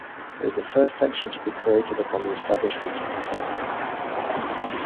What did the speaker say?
It was the first section to be created upon establishment of the club.